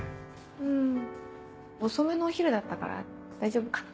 ん遅めのお昼だったから大丈夫かな。